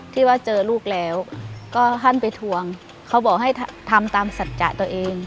ที่ว่าเจอลูกแล้วก็ท่านไปทวงเขาบอกให้ทำตามสัจจะตัวเอง